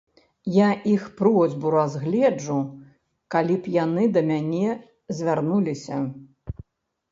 Я іх просьбу разгледжу, калі б яны да мяне звярнуліся.